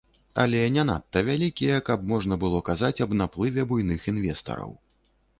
Але не надта вялікія, каб можна было казаць аб наплыве буйных інвестараў.